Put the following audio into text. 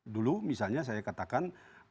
dulu misalnya saya katakan